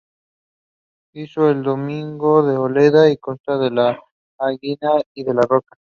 Hijo de Domingo de Olea y Constanza de Aguinaga y de la Roca.